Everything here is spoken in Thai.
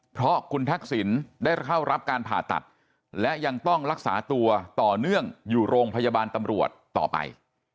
เพราะคุณทักษิณได้เข้ารับการผ่าตัดและยังต้องรักษาตัวต่อเนื่องอยู่โรงพยาบาลตำรวจต่อไป